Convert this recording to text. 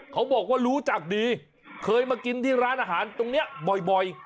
เขาบอกว่ารู้จักดีเคยมากินที่ร้านอาหารตรงนี้บ่อย